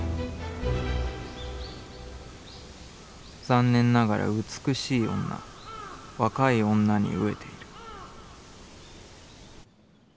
「残念ながら美しい女、若い女に餓えている」。